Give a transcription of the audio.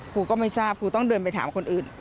ครูก็ไม่ทราบครูต้องเดินไปถามคนอื่น